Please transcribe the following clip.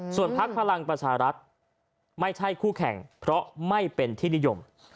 ส่วนพักพลังประชารัฐไม่ใช่คู่แข่งเพราะไม่เป็นที่นิยม